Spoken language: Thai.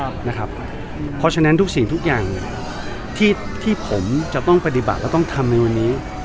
เพราะฉะนั้นทุกสิ่งทุกอย่างที่ผมจะต้องปฏิบัติและต้องทำในวันนี้